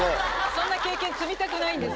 そんな経験積みたくないんです。